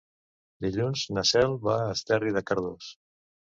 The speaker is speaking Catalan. Dilluns na Cel va a Esterri de Cardós.